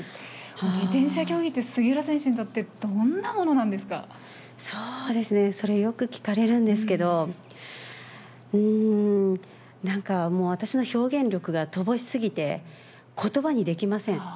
自転車競技って、杉浦選手にとっそうですね、それ、よく聞かれるんですけど、なんか私の表現力が乏しすぎて、ことばにできません。